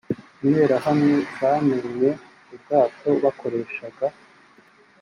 interahamwe zamennye ubwato bakoreshaga